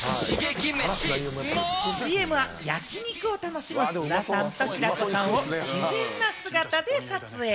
ＣＭは焼き肉を楽しむ菅田さんと平子さんを自然な姿で撮影。